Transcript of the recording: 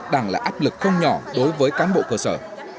đang là áp lực không nhỏ đối với cán bộ cơ sở